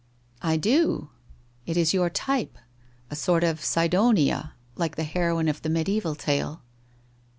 ' I do. It is your type. A sort of Sidonia. like the heroine of the mediaeval tale.'